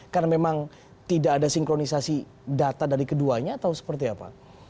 karena memang tidak ada sinkronisasi data dari keduanya atau seperti apa